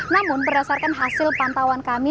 namun berdasarkan hasil pantauan kami